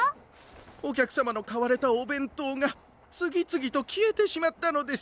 おきゃくさまのかわれたおべんとうがつぎつぎときえてしまったのです。